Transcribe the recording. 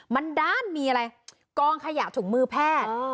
มันด้านมีอะไรกองขยะถุงมือแพทย์